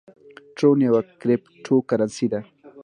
ټرون یوه کریپټو کرنسي ده